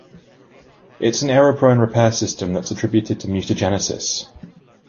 It is an error-prone repair system that is attributed to mutagenesis.